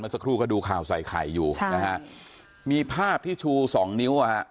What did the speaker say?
สักครู่ก็ดูข่าวใส่ไข่อยู่ใช่นะฮะมีภาพที่ชูสองนิ้วอ่ะฮะ